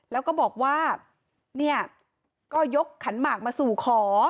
แล้วก็บอกว่าเนี่ยก็ยกขันหมากมาสู่ขอ